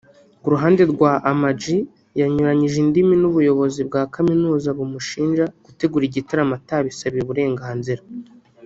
Ku ruhande rwa Ama G yanyuranyije indimi n’ubuyobozi bwa Kaminuza bumushinja gutegura igitaramo atabisabiye uburenganzira